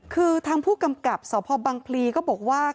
คือทางผู้กำกับสพบังพลีก็บอกว่า